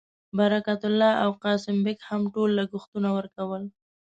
برکت الله او قاسم بېګ هم ټول لګښتونه ورکول.